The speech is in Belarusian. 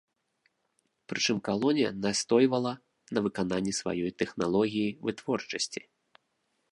Прычым калонія настойвала на выкананні сваёй тэхналогіі вытворчасці.